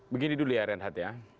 begini dulu ya reinhardt ya